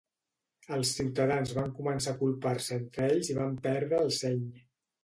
Els ciutadans van començar a culpar-se entre ells i van perdre el seny.